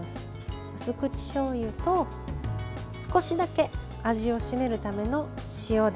うす口しょうゆと少しだけ味を締めるための塩です。